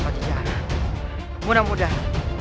selain kata menyerah